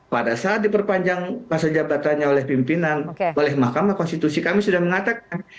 pada saat diperpanjang masa jabatannya oleh pimpinan oleh mahkamah konstitusi kami sudah mengatakan